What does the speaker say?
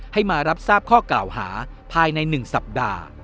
ให้มารับทราบข้อกล่าวหาภายใน๑สัปดาห์